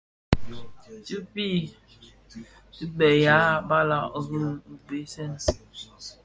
Biitiʼi kibëë yêê balàg rì biswed.